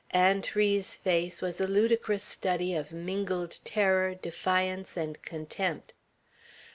Aunt Ri's face was a ludicrous study of mingled terror, defiance, and contempt.